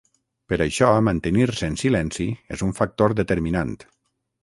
Per això, mantenir-se en silenci és un factor determinant.